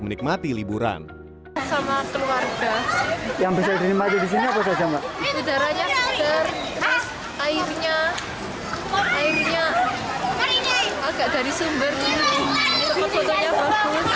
menikmati liburan sama keluarga yang bisa di sini bisa sama sama airnya airnya dari sumber